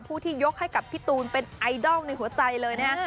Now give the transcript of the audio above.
ผู้ที่ยกให้กับพี่ตูนเป็นไอดอลในหัวใจเลยนะฮะ